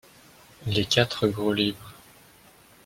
Les quatre gros livres.